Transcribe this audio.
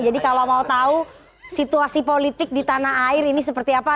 jadi kalau mau tahu situasi politik di tanah air ini seperti apa